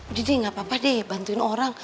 udah deh gak apa apa deh bantuin orang